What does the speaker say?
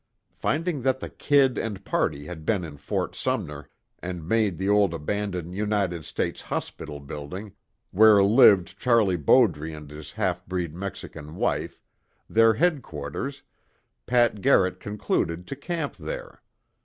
Finding that the "Kid" and party had been in Fort Sumner, and made the old abandoned United States Hospital building, where lived Charlie Bowdre and his half breed Mexican wife, their headquarters, Pat Garrett concluded to camp there.